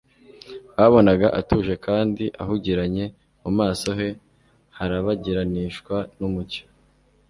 Babonaga atuje kandi ahugiranye; mu maso he harabagiranishwa n'umucyo